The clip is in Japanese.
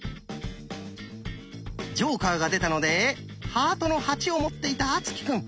ジョーカーが出たので「ハートの８」を持っていた敦貴くん。